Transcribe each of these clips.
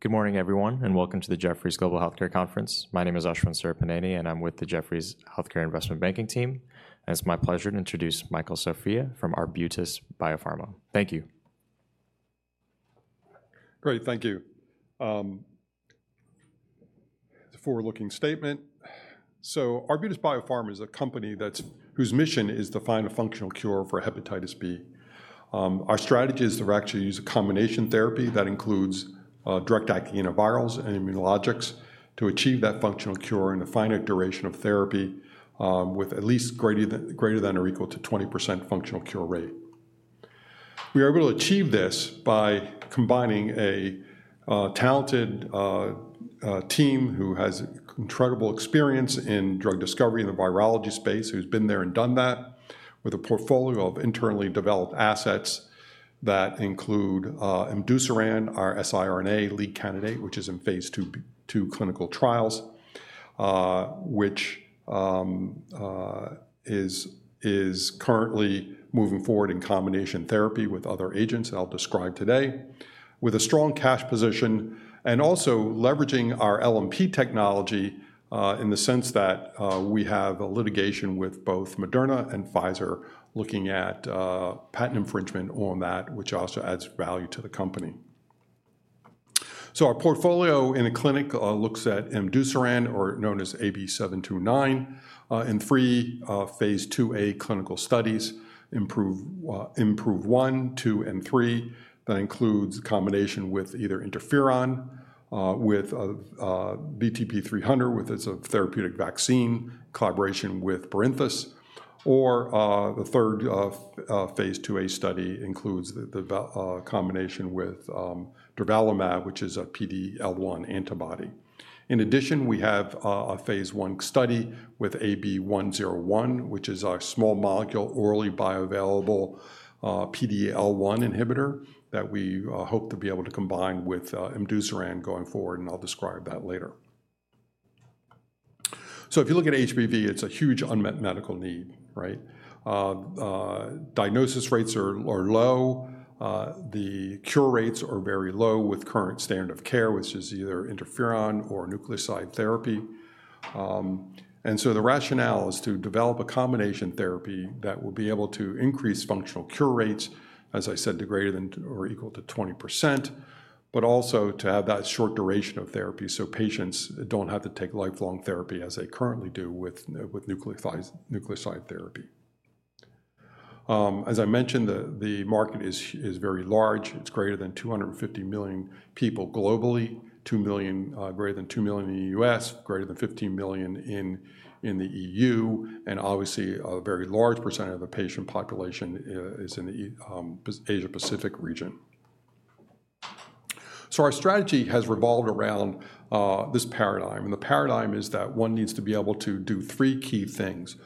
Good morning, everyone, and welcome to the Jefferies Global Healthcare Conference. My name is Ashwin Surapaneni, and I'm with the Jefferies Healthcare Investment Banking team. It's my pleasure to introduce Michael Sofia from Arbutus Biopharma. Thank you. Great. Thank you. It's a forward-looking statement. So Arbutus Biopharma is a company that's whose mission is to find a functional cure for hepatitis B. Our strategy is to actually use a combination therapy that includes direct-acting antivirals and immunologics to achieve that functional cure and a finite duration of therapy with at least greater than or equal to 20% functional cure rate. We are able to achieve this by combining a talented team who has incredible experience in drug discovery in the virology space, who's been there and done that, with a portfolio of internally developed assets that include Imdusiran, our siRNA lead candidate, which is in Phase II clinical trials. which is currently moving forward in combination therapy with other agents that I'll describe today, with a strong cash position and also leveraging our LNP technology, in the sense that, we have a litigation with both Moderna and Pfizer looking at, patent infringement on that, which also adds value to the company. So our portfolio in clinic looks at imdusiran or known as AB-729, in three phase IIa clinical studies, IMPROVE I, II, and III. That includes combination with either interferon, with VTP-300, it's a therapeutic vaccine, collaboration with Barinthus, or, the third phase IIa study includes the combination with, durvalumab, which is a PD-L1 antibody. In addition, we have a phase I study with AB-101, which is our small molecule, orally bioavailable, PD-L1 inhibitor that we hope to be able to combine with Imdusiran going forward, and I'll describe that later. So if you look at HBV, it's a huge unmet medical need, right? Diagnosis rates are low. The cure rates are very low with current standard of care, which is either interferon or nucleoside therapy. And so the rationale is to develop a combination therapy that will be able to increase functional cure rates, as I said, to greater than or equal to 20%, but also to have that short duration of therapy, so patients don't have to take lifelong therapy as they currently do with nucleoside therapy. As I mentioned, the market is very large. It's greater than 250 million people globally, 2 million, greater than 2 million in the US, greater than 15 million in the EU, and obviously, a very large percentage of the patient population is in the Asia Pacific region. So our strategy has revolved around this paradigm, and the paradigm is that one needs to be able to do three key things.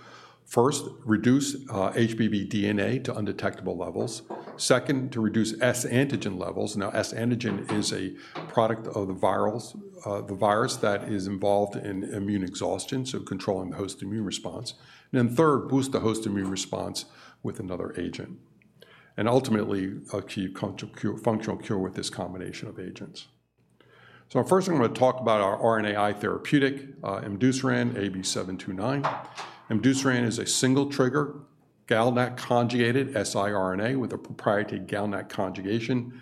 First, reduce HBV DNA to undetectable levels. Second, to reduce S antigen levels. Now, S antigen is a product of the virals, the virus that is involved in immune exhaustion, so controlling the host immune response. And then third, boost the host immune response with another agent, and ultimately, achieve functional cure with this combination of agents. So first, I'm going to talk about our RNAi therapeutic, imdusiran AB-729. Imdusiran is a single trigger, GalNAc conjugated siRNA with a proprietary GalNAc conjugation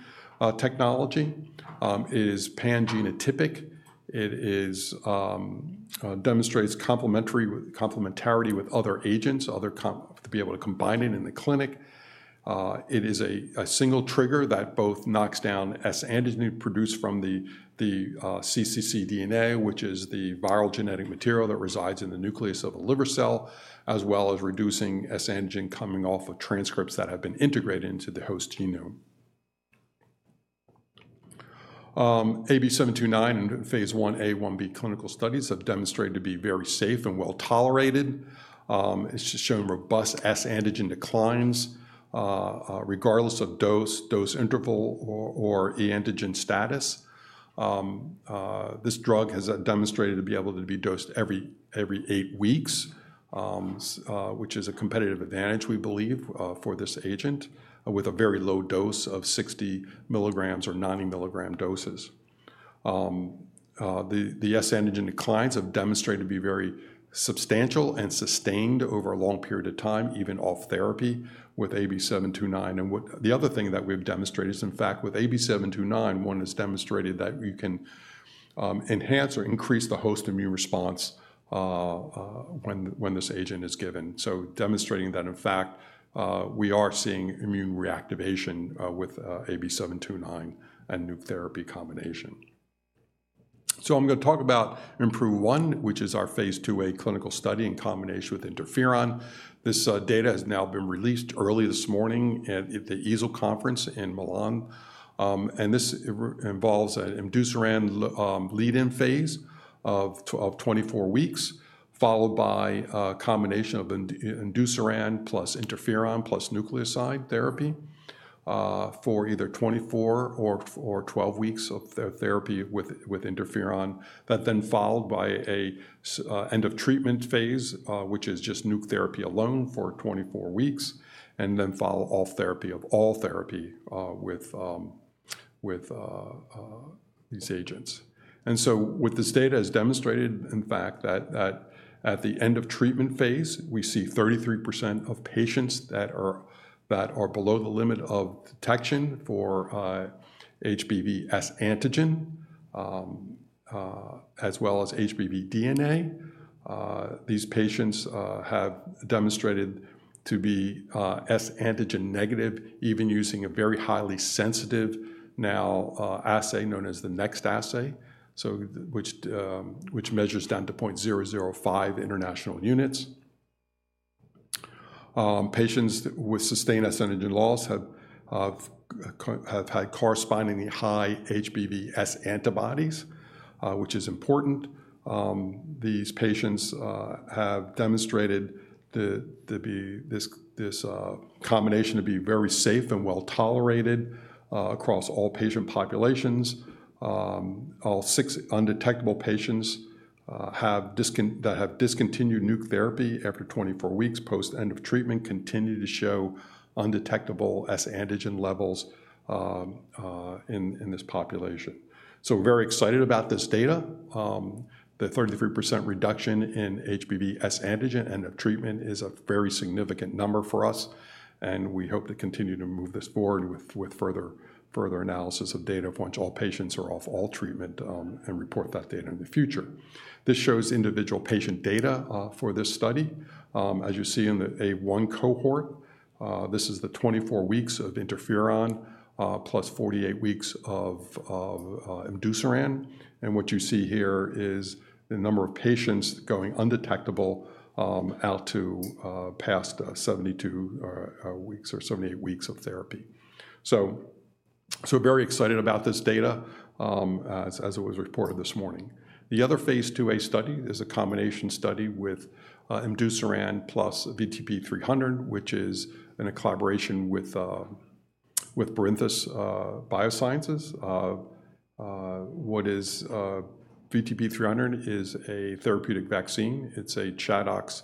technology. It is pan-genotypic. It demonstrates complementarity with other agents to be able to combine it in the clinic. It is a single trigger that both knocks down S antigen produced from the cccDNA, which is the viral genetic material that resides in the nucleus of a liver cell, as well as reducing S antigen coming off of transcripts that have been integrated into the host genome. AB729 in phase Ia/Ib clinical studies have demonstrated to be very safe and well tolerated. It's just shown robust S antigen declines, regardless of dose, dose interval or e antigen status. This drug has demonstrated to be able to be dosed every 8 weeks, which is a competitive advantage, we believe, for this agent, with a very low dose of 60 milligrams or 90 milligram doses. The S antigen declines have demonstrated to be very substantial and sustained over a long period of time, even off therapy with AB-729. And the other thing that we've demonstrated is, in fact, with AB-729, one has demonstrated that we can enhance or increase the host immune response, when this agent is given. So demonstrating that, in fact, we are seeing immune reactivation, with AB-729 and nuc therapy combination. So I'm going to talk about IMPROVE I, which is our phase IIa clinical study in combination with interferon. This data has now been released early this morning at the EASL conference in Milan. This involves an imdusiran lead-in phase of 24 weeks, followed by a combination of imdusiran plus interferon plus nucleoside therapy for either 24 or 12 weeks of therapy with interferon. That then followed by an end of treatment phase, which is just nuc therapy alone for 24 weeks, and then follow off therapy of all therapy with these agents. So what this data has demonstrated, in fact, is that at the end of treatment phase, we see 33% of patients that are below the limit of detection for HBsAg as well as HBV DNA. These patients have demonstrated to be S antigen negative, even using a very highly sensitive now assay known as the next assay, so which, which measures down to 0.005 international units. Patients with sustained S antigen loss have had correspondingly high HBV S antibodies, which is important. These patients have demonstrated this combination to be very safe and well-tolerated across all patient populations. All six undetectable patients that have discontinued nuc therapy after 24 weeks post end of treatment continue to show undetectable S antigen levels in this population. So we're very excited about this data. The 33% reduction in HBsAg end of treatment is a very significant number for us, and we hope to continue to move this forward with further analysis of data, of which all patients are off all treatment, and report that data in the future. This shows individual patient data for this study. As you see in the A1 cohort, this is the 24 weeks of interferon plus 48 weeks of imdusiran. And what you see here is the number of patients going undetectable out to past 72 weeks or 78 weeks of therapy. So very excited about this data, as it was reported this morning. The other phase IIa study is a combination study with imdusiran plus VTP-300, which is in a collaboration with Barinthus Biotherapeutics. VTP-300 is a therapeutic vaccine. It's a ChAdOx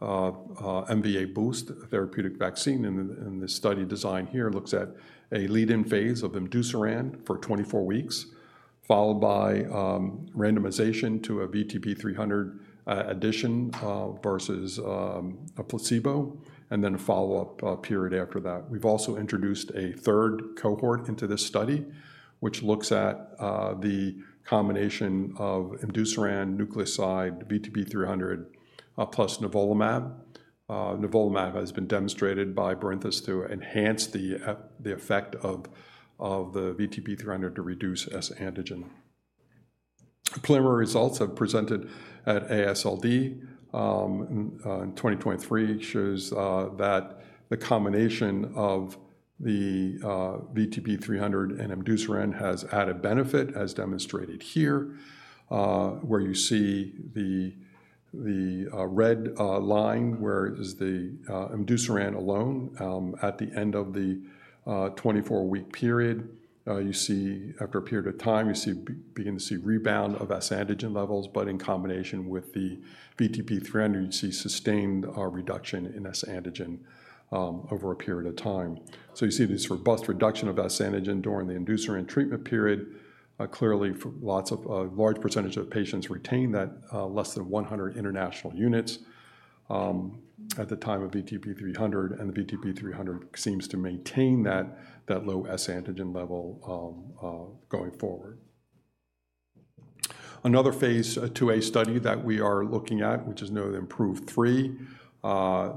MVA boost therapeutic vaccine, and the study design here looks at a lead-in phase of imdusiran for 24 weeks, followed by randomization to a VTP-300 addition versus a placebo, and then a follow-up period after that. We've also introduced a third cohort into this study, which looks at the combination of imdusiran nucleoside VTP-300 plus nivolumab. Nivolumab has been demonstrated by Barinthus to enhance the effect of the VTP-300 to reduce S antigen. Preliminary results have presented at AASLD in 2023, shows that the combination of the VTP 300 and imdusiran has added benefit, as demonstrated here, where you see the, the red line, where is the imdusiran alone. At the end of the 24-week period, you see after a period of time, you see begin to see rebound of S antigen levels, but in combination with the VTP 300, you see sustained reduction in S antigen over a period of time. So you see this robust reduction of S antigen during the imdusiran treatment period. Clearly, lots of a large percentage of patients retain that less than 100 international units at the time of VTP-300, and the VTP-300 seems to maintain that low S antigen level going forward. Another phase IIa study that we are looking at, which is known as IMPROVE-3.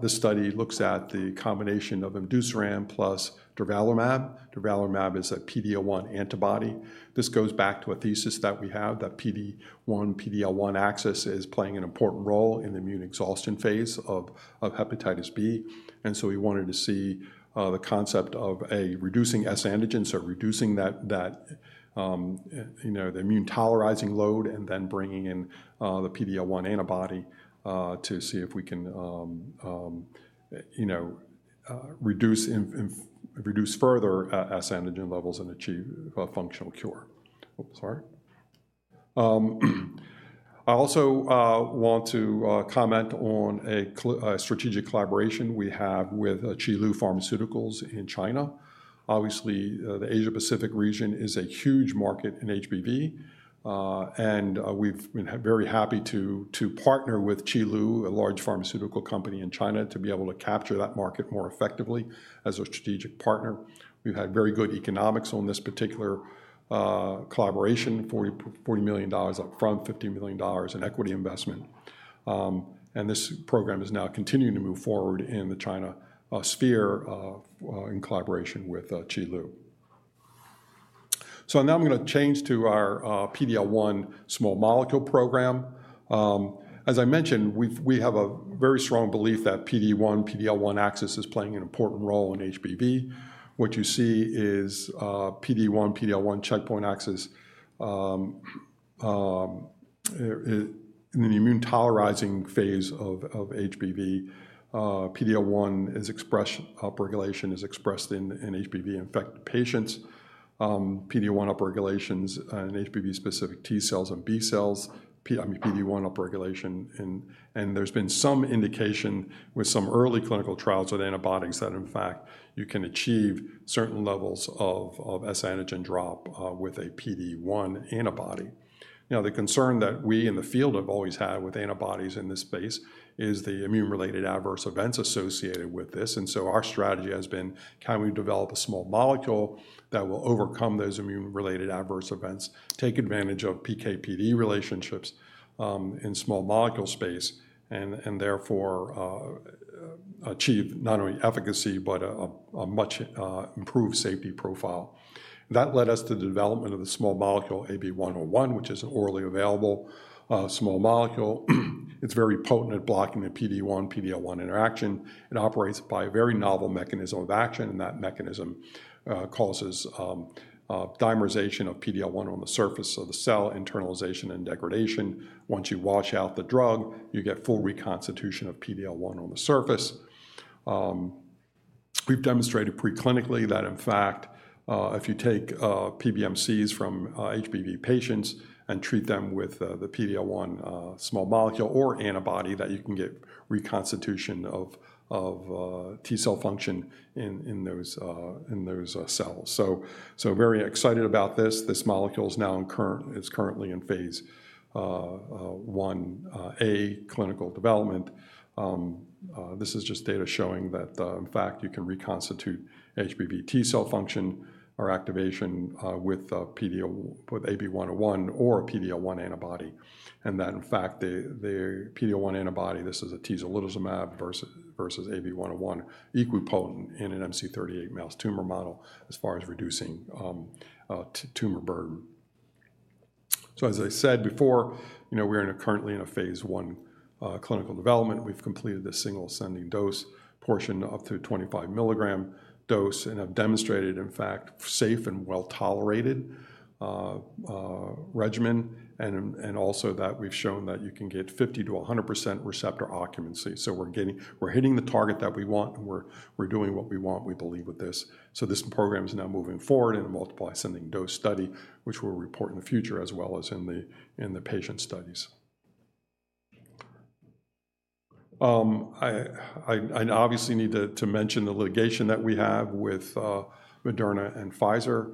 This study looks at the combination of imdusiran plus durvalumab. Durvalumab is a PD-L1 antibody. This goes back to a thesis that we have, that PD-1, PD-L1 axis is playing an important role in the immune exhaustion phase of hepatitis B. And so we wanted to see the concept of a reducing S antigen, so reducing that, that, you know, the immune tolerizing load, and then bringing in the PD-L1 antibody to see if we can, you know, reduce in, in, reduce further S antigen levels and achieve a functional cure. I also want to comment on a strategic collaboration we have with Qilu Pharmaceutical in China. Obviously, the Asia Pacific region is a huge market in HBV, and we've been very happy to partner with Qilu, a large pharmaceutical company in China, to be able to capture that market more effectively as a strategic partner. We've had very good economics on this particular collaboration, $40 million upfront, $50 million in equity investment. And this program is now continuing to move forward in the China sphere, in collaboration with Qilu. So now I'm gonna change to our PD-L1 small molecule program. As I mentioned, we have a very strong belief that PD-1, PD-L1 axis is playing an important role in HBV. What you see is PD-1, PD-L1 checkpoint axis in the immune tolerizing phase of HBV, PD-L1 is expression upregulation is expressed in HBV-infected patients. PD-L1 upregulations in HBV-specific T cells and B cells, I mean, PD-1 upregulation. And there's been some indication with some early clinical trials with antibodies that, in fact, you can achieve certain levels of S antigen drop with a PD-1 antibody. Now, the concern that we in the field have always had with antibodies in this space is the immune-related adverse events associated with this. And so our strategy has been, can we develop a small molecule that will overcome those immune-related adverse events, take advantage of PK/PD relationships, in small molecule space, and therefore, achieve not only efficacy but a much improved safety profile? That led us to the development of the small molecule AB-101, which is an orally available, small molecule. It's very potent at blocking the PD-1, PD-L1 interaction. It operates by a very novel mechanism of action, and that mechanism causes dimerization of PD-L1 on the surface of the cell, internalization, and degradation. Once you wash out the drug, you get full reconstitution of PD-L1 on the surface. We've demonstrated preclinically that, in fact, if you take PBMCs from HBV patients and treat them with the PD-L1 small molecule or antibody, that you can get reconstitution of T cell function in those cells. So very excited about this. This molecule is currently in phase Ia clinical development. This is just data showing that, in fact, you can reconstitute HBV T cell function or activation with PD-L1, with AB-101 or a PD-L1 antibody. And that, in fact, the PD-L1 antibody, this is a atezolizumab versus AB-101, equipotent in an MC38 mouse tumor model as far as reducing tumor burden. So, as I said before, you know, we're currently in phase I clinical development. We've completed the single ascending dose portion up to 25 mg dose and have demonstrated, in fact, safe and well-tolerated regimen, and also that we've shown that you can get 50%-100% receptor occupancy. So we're getting, we're hitting the target that we want, and we're doing what we want, we believe, with this. So this program is now moving forward in a multiple ascending dose study, which we'll report in the future, as well as in the patient studies. I obviously need to mention the litigation that we have with Moderna and Pfizer.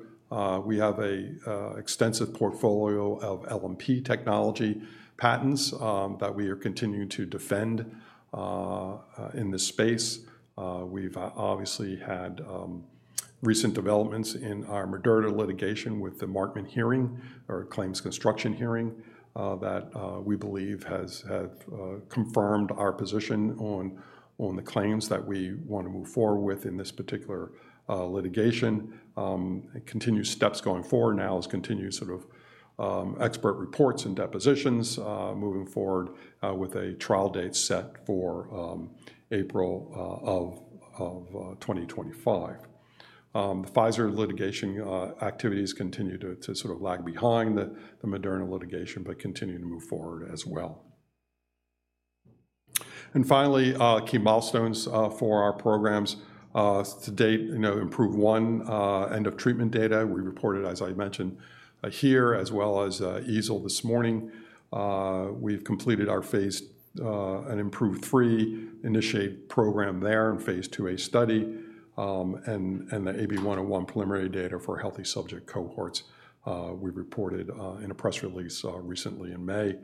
We have an extensive portfolio of LNP technology patents that we are continuing to defend in this space. We've obviously had recent developments in our Moderna litigation with the Markman hearing or claims construction hearing that we believe has confirmed our position on the claims that we want to move forward with in this particular litigation. Continued steps going forward now is to continue sort of expert reports and depositions, moving forward, with a trial date set for April of 2025. Pfizer litigation activities continue to sort of lag behind the Moderna litigation, but continue to move forward as well. And finally, key milestones for our programs to date, you know, IMPROVE1 end of treatment data. We reported, as I mentioned, here, as well as EASL this morning. We've completed our phase an IMPROVE-3 initiation program there in phase IIa study. And the AB-101 preliminary data for healthy subject cohorts we reported in a press release recently in May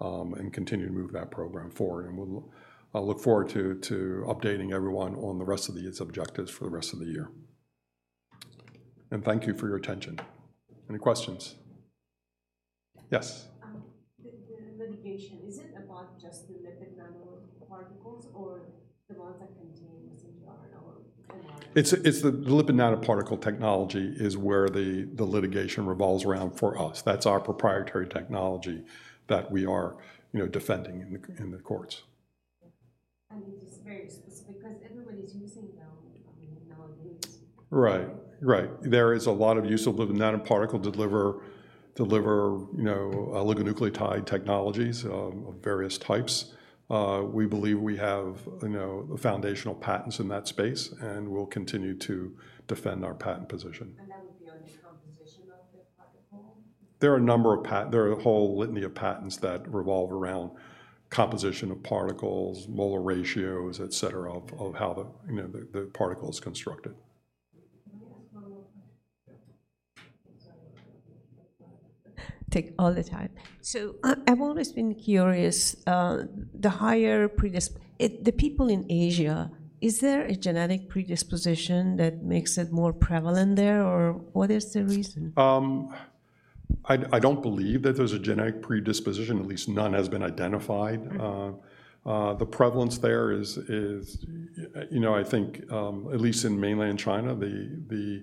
and continue to move that program forward. And we'll. I look forward to updating everyone on the rest of these objectives for the rest of the year. And thank you for your attention. Any questions? Yes. The litigation, is it about just the lipid nanoparticles or the ones that contain messenger RNA or mRNA? It's the lipid nanoparticle technology is where the litigation revolves around for us. That's our proprietary technology that we are, you know, defending in the courts. It is very specific because everybody's using now, I mean, nowadays. Right. Right. There is a lot of use of lipid nanoparticle delivery, you know, oligonucleotide technologies of various types. We believe we have, you know, foundational patents in that space, and we'll continue to defend our patent position. That would be on the composition of the particle? There are a whole litany of patents that revolve around composition of particles, molar ratios, et cetera, of how, you know, the particle is constructed. Can I ask one more question? Yeah. Take all the time. So I, I've always been curious, the people in Asia, is there a genetic predisposition that makes it more prevalent there, or what is the reason? I don't believe that there's a genetic predisposition, at least none has been identified. Mm-hmm. The prevalence there is, you know, I think, at least in mainland China, the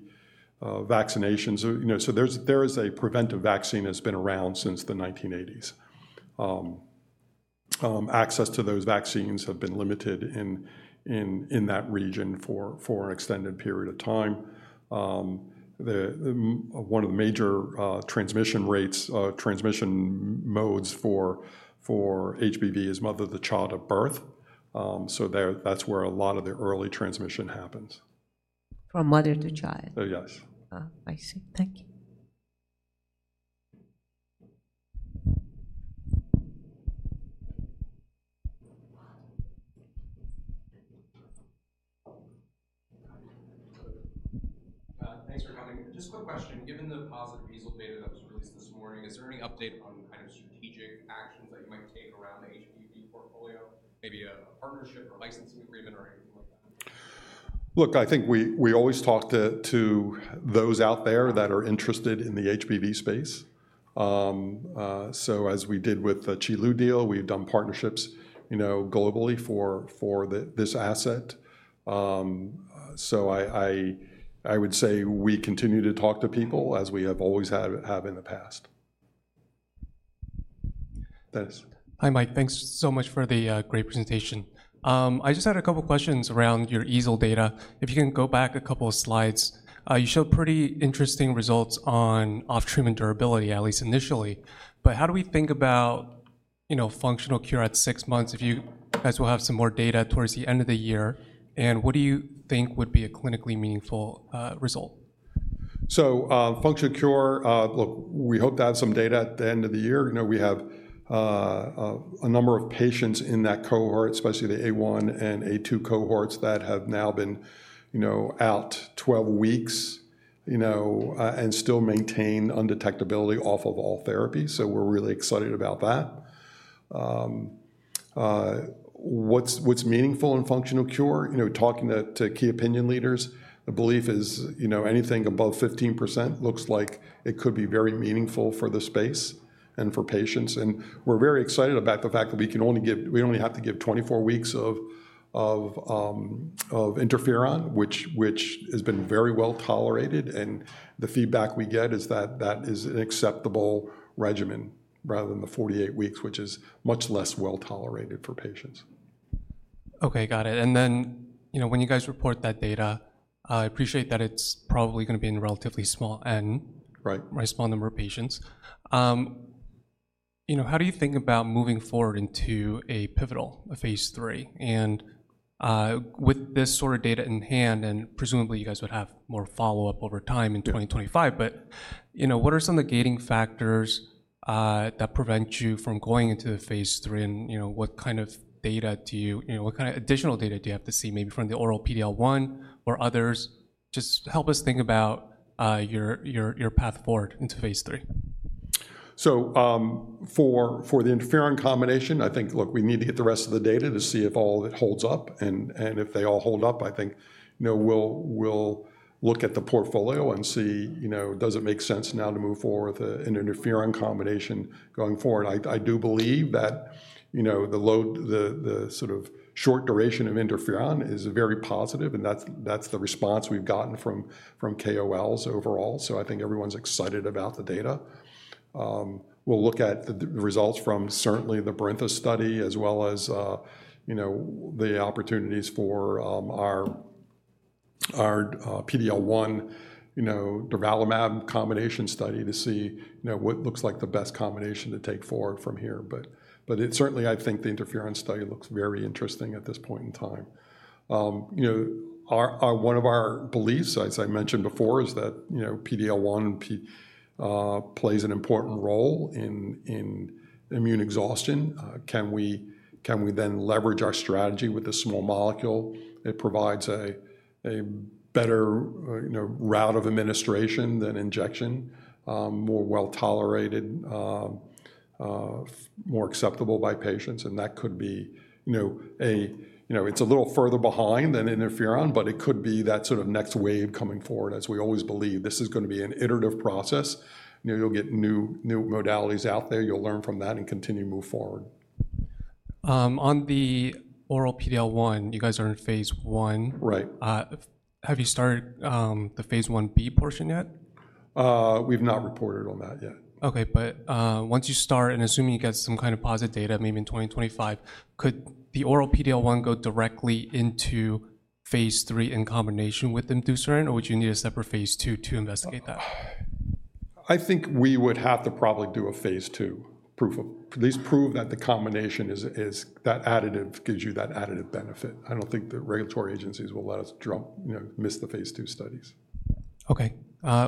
vaccinations are. You know, so there's a preventive vaccine that's been around since the 1980s. Access to those vaccines have been limited in that region for an extended period of time. One of the major transmission rates, transmission modes for HBV is mother to child at birth. So that's where a lot of the early transmission happens. From mother to child? Oh, yes. I see. Thank you. Thanks for coming. Just a quick question. Given the positive EASL data that was released this morning, is there any update on kind of strategic actions that you might take around the HBV portfolio, maybe a partnership or licensing agreement or anything like that? Look, I think we always talk to those out there that are interested in the HBV space. So as we did with the Qilu deal, we've done partnerships, you know, globally for this asset. So I would say we continue to talk to people as we have always had in the past. Dennis? Hi, Mike. Thanks so much for the great presentation. I just had a couple questions around your EASL data. If you can go back a couple of slides, you show pretty interesting results on off-treatment durability, at least initially. But how do we think about, you know, functional cure at six months if you guys will have some more data towards the end of the year? And what do you think would be a clinically meaningful result? So, functional cure, look, we hope to have some data at the end of the year. You know, we have a number of patients in that cohort, especially the A1 and A2 cohorts, that have now been, you know, out 12 weeks, you know, and still maintain undetectability off of all therapy, so we're really excited about that. What's meaningful in functional cure, you know, talking to key opinion leaders, the belief is, you know, anything above 15% looks like it could be very meaningful for the space and for patients. We're very excited about the fact that we only have to give 24 weeks of interferon, which has been very well tolerated, and the feedback we get is that that is an acceptable regimen, rather than the 48 weeks, which is much less well tolerated for patients. Okay, got it. And then, you know, when you guys report that data, I appreciate that it's probably gonna be in a relatively small N- Right. a small number of patients. You know, how do you think about moving forward into a pivotal, a phase III? And, with this sort of data in hand, and presumably, you guys would have more follow-up over time in 2025, but, you know, what are some of the gating factors, that prevent you from going into the phase III, and, you know, what kind of additional data do you have to see, maybe from the oral PD-L1 or others? Just help us think about, your path forward into phase III. So, for the interferon combination, I think, look, we need to get the rest of the data to see if all it holds up, and if they all hold up, I think, you know, we'll look at the portfolio and see, you know, does it make sense now to move forward with an interferon combination going forward? I do believe that, you know, the sort of short duration of interferon is very positive, and that's the response we've gotten from KOLs overall, so I think everyone's excited about the data. We'll look at the results from certainly the Barinthus study, as well as, you know, the opportunities for our PD-L1 Durvalumab combination study to see, you know, what looks like the best combination to take forward from here. But it certainly, I think the interferon study looks very interesting at this point in time. You know, one of our beliefs, as I mentioned before, is that, you know, PD-L1 plays an important role in immune exhaustion. Can we then leverage our strategy with a small molecule? It provides a better, you know, route of administration than injection, more well-tolerated, more acceptable by patients, and that could be a. You know, it's a little further behind than interferon, but it could be that sort of next wave coming forward, as we always believe. This is gonna be an iterative process. You know, you'll get new modalities out there. You'll learn from that and continue to move forward. On the oral PD-L1, you guys are in phase I. Right. Have you started the phase 1b portion yet? We've not reported on that yet. Okay, but once you start, and assuming you get some kind of positive data, maybe in 2025, could the oral PD-L1 go directly into phase III in combination with imdusiran, or would you need a separate phase II to investigate that? I think we would have to probably do a phase II proof of... At least prove that the combination is, that additive, gives you that additive benefit. I don't think the regulatory agencies will let us drop, you know, miss the phase II studies. Okay, uh-